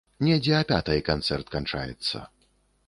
Недзе а пятай канцэрт канчаецца.